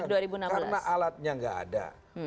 karena alatnya gak ada